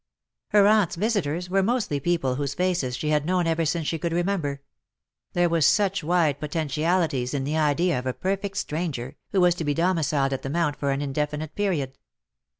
Her aunt^s visitors were mostly people whose faces she had known ever since she could remember : there were such wide potentialities in the idea of a perfect stranger, who was to be domiciled at the Mount for an indefinite period.